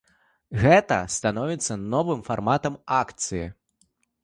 Гэта становіцца новым фарматам акцыі.